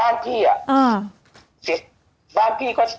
เมื่อวานนี้นะ